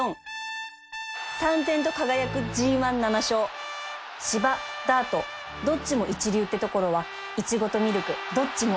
さんぜんと輝く ＧⅠ７ 勝芝ダートどっちも一流ってところはイチゴとミルクどっちもおいしい